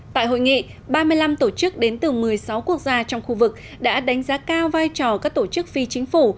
tại hội nghị ba mươi năm tổ chức đến từ một mươi sáu quốc gia trong khu vực đã đánh giá cao vai trò các tổ chức phi chính phủ